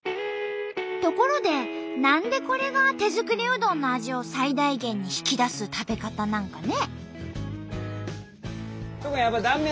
ところで何でこれが手作りうどんの味を最大限に引き出す食べ方なんかね？